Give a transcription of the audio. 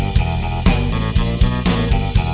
nunggu akang di surga